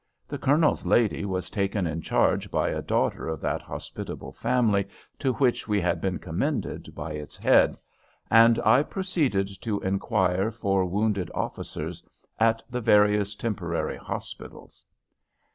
The Colonel's lady was taken in charge by a daughter of that hospitable family to which we had been commended by its head, and I proceeded to inquire for wounded officers at the various temporary hospitals.